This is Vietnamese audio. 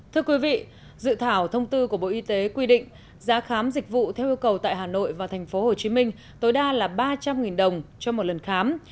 thưa quý vị dự thảo thông tư của bộ y tế quy định giá khám dịch vụ theo yêu cầu tại hà nội và tp hcm tối đa là ba trăm linh đồng cho một lần khám